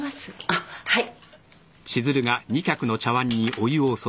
あっはい。